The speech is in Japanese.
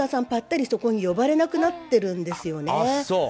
ぱったりそこに呼ばれなくなっているんですよね。